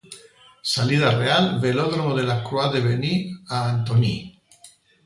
Salida real: Velódromo de la Croix-de-Benny a Antony.